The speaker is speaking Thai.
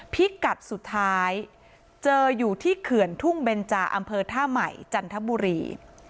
พิกัดสุดท้ายเจออยู่ที่เขื่อนทุ่งเบนจาอำเภอท่าใหม่จันทบุรี